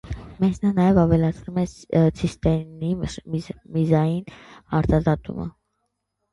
Մեսնան նաև ավելացնում է ցիստեինի միզային արտազատումը։